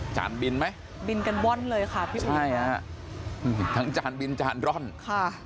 บินไหมบินกันว่อนเลยค่ะพี่อุ๋ยใช่ฮะทั้งจานบินจานร่อนค่ะ